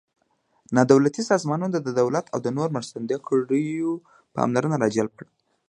نا دولتي سازمانونو د دولت او نورو مرستندویه کړیو پاملرنه را جلب کړه.